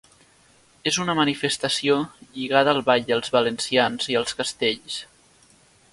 És una manifestació lligada al ball de valencians i als castells.